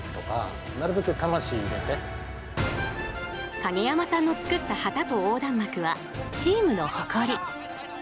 影山さんの作った旗と横断幕はチームの誇り。